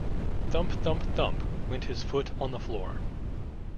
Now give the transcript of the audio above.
Thump, thump, thump, went his foot on the floor.